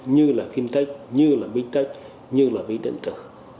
như là fintech như là bigtech như là viết đơn tử